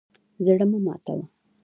زړه مه ماتوه.